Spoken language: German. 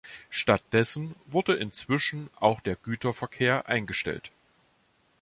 Stattdessen wurde inzwischen auch der Güterverkehr eingestellt.